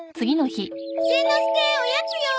しんのすけおやつよ！